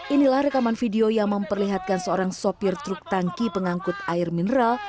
inilah rekaman video yang memperlihatkan seorang sopir truk tangki pengangkut air mineral